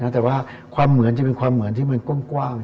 แต่ว่าความเหมือนจะเป็นความเหมือนที่มันกว้าง